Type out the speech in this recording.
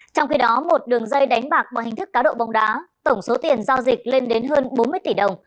trong khi đó một đường dây đánh bạc bằng hình thức cá độ bóng đá tổng số tiền giao dịch lên đến hơn bốn mươi tỷ đồng